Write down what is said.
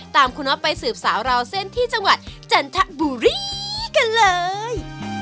ตามคุณน็อตไปสืบสาวราวเส้นที่จังหวัดจันทบุรีกันเลย